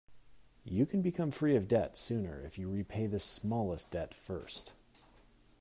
You can become free of debt sooner if you repay the smallest debt first.